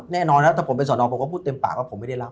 แน่นอนแล้วถ้าผมเป็นสอนอผมก็พูดเต็มปากว่าผมไม่ได้รับ